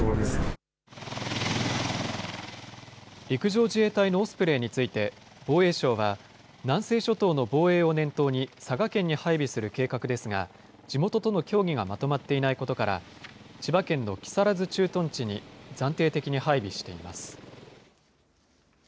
陸上自衛隊のオスプレイについて、防衛省は、南西諸島の防衛を念頭に、佐賀県に配備する計画ですが、地元との協議がまとまっていないことから、千葉県の木更津駐屯地に暫定的に配備しています。